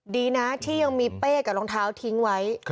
ดีนะที่ยังมีเป้กับรองเท้าทิ้งไว้